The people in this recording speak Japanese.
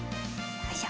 よいしょ。